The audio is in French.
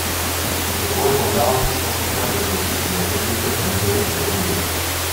Cette correspondance est consultable sur le site de la Bibliothèque Numérique de Roubaix.